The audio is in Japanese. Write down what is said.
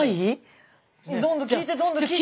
どんどん聞いてどんどん聞いてよ。